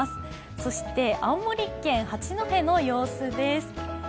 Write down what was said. そして青森県八戸の様子です。